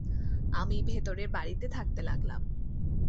আমি ভেতরের বাড়িতে থাকতে লাগলাম।